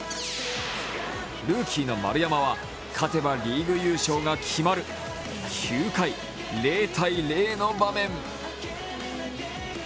ルーキーの丸山は、勝てばリーグ優勝が決まる、９回、０−０の場面。